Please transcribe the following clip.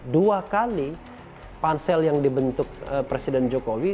dua kali pansel yang dibentuk presiden jokowi